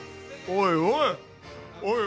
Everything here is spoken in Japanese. おいおい！